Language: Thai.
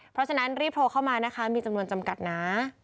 เพราะฉะนั้นรีบโทรเข้ามานะคะมีจำนวนจำกัดนะ